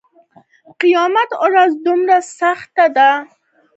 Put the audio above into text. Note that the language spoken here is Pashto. قیامت ورځ دومره سخته ده چې مور له اولاده تښتي.